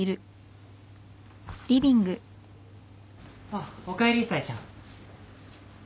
あっおかえり冴ちゃん。